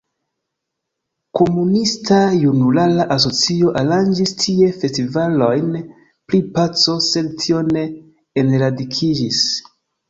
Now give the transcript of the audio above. Komunista Junulara Asocio aranĝis tie festivalojn pri Paco, sed tio ne enradikiĝis.